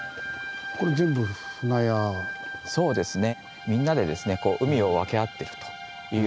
そうですね。